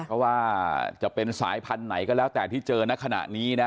เพราะว่าจะเป็นสายพันธุ์ไหนก็แล้วแต่ที่เจอในขณะนี้นะ